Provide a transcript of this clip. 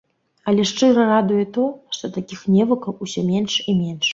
Але шчыра радуе тое, што такіх невукаў усё менш і менш.